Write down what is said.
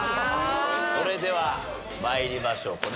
それでは参りましょう。